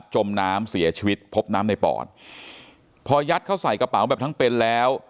จมน้ำเสียชีวิตพบน้ำในปอดพอยัดเขาใส่กระเป๋าแบบทั้งเป็นแล้ว